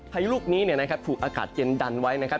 พายุลูกนี้ถูกอากาศเย็นดันไว้นะครับ